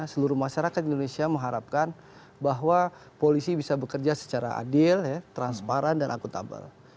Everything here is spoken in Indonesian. seluruh masyarakat indonesia mengharapkan bahwa polisi bisa bekerja secara adil transparan dan akutabel